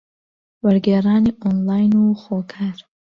وەرگێڕانی ئۆنلاین و خۆکار